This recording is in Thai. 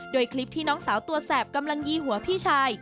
โดยคลิปที่น้องสาวตัวแสบกำลังยีหัวพี่ชาย